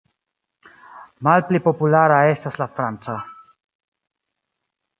Malpli populara estas la franca.